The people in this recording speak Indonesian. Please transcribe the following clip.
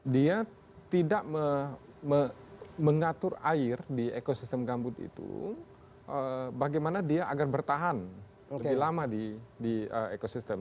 dia tidak mengatur air di ekosistem gambut itu bagaimana dia agar bertahan lebih lama di ekosistem